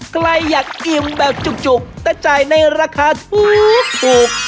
ใครอยากอิ่มแบบจุกแต่จ่ายในราคาถูก